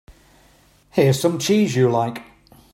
Here's some cheese you like.